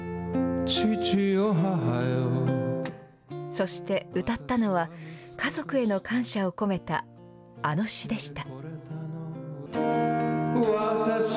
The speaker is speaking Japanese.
そして歌ったのは家族への感謝を込めたあの詩でした。